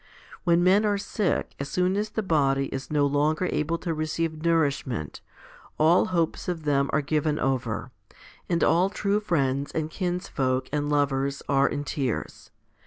When men are sick, as soon as the body is no longer able to receive nourishment, all hopes of them are given over, and all true friends and kinsfolk and lovers are in tears.